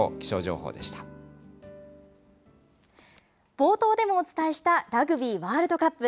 冒頭でもお伝えしたラグビーワールドカップ。